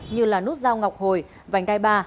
như là nút dao ngọc hồi vành đai ba